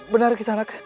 benar kisah anak